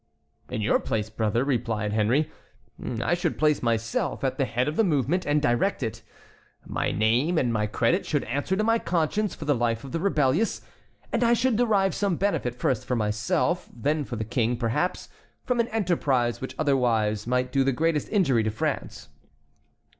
"In your place, brother," replied Henry, "I should place myself at the head of the movement and direct it. My name and my credit should answer to my conscience for the life of the rebellious, and I should derive some benefit first for myself, then for the King, perhaps, from an enterprise which otherwise might do the greatest injury to France."